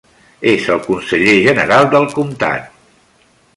És el Conseller General del Comtat.